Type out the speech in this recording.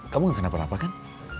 kamu gak kenapa napa kan